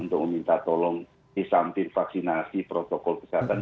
untuk meminta tolong di samping vaksinasi protokol kesehatan